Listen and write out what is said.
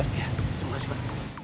terima kasih pak